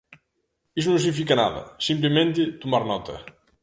Iso non significa nada; simplemente, tomar nota.